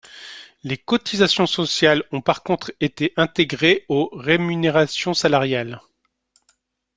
Les cotisations sociales ont par contre été intégrées aux rémunérations salariales.